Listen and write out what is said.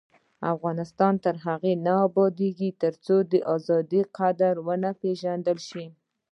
افغانستان تر هغو نه ابادیږي، ترڅو د ازادۍ قدر ونه پیژندل شي.